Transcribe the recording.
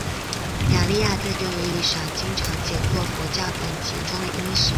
雅利亚在这个意义上经常解作佛教典籍中的英雄。